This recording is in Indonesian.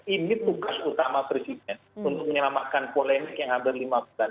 ini tugas utama presiden untuk menyelamatkan polemik yang hampir lima bulan